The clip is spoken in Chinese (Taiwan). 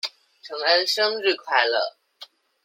承恩生日快樂！